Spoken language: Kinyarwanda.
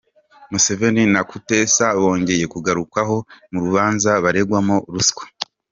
Museveni na Kutesa bongeye kugarukwaho mu rubanza baregwamo ruswa